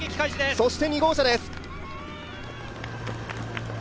そして２号車です。